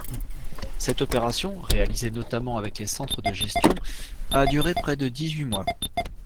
Cette opération, réalisée notamment avec les centres de gestion, a duré près de dix-huit mois.